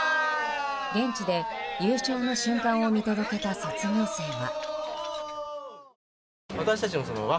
現地で優勝の瞬間を見届けた卒業生は。